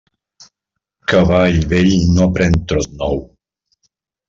Cavall vell no aprén trot nou.